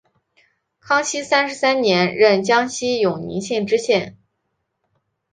康熙三十三年任江西永宁县知县。